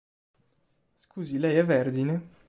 Scusi lei è vergine?